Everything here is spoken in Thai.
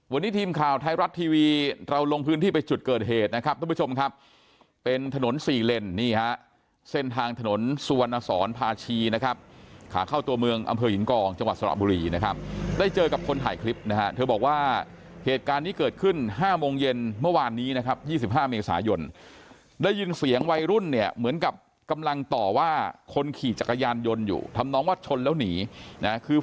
วันนี้ทีมข่าวไทยรัฐทีวีเราลงพื้นที่ไปจุดเกิดเหตุนะครับทุกผู้ชมครับเป็นถนนสี่เล่นนี่ฮะเส้นทางถนนสวนสอนพาชีนะครับขาดเข้าตัวเมืองอำเภยหินกองจังหวัดสระบุรีนะครับได้เจอกับคนถ่ายคลิปนะฮะเธอบอกว่าเหตุการณ์นี้เกิดขึ้น๕โมงเย็นเมื่อวานนี้นะครับ๒๕เมษายนได้ยินเสียงวัยรุ่นเน